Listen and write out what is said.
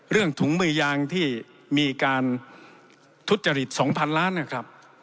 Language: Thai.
เรื่องถุงมือยางที่มีการทุจริตสองพันล้านนะครับ